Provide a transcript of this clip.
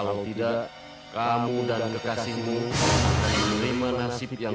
sampai jumpa di video selanjutnya